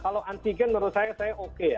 kalau antigen menurut saya saya oke ya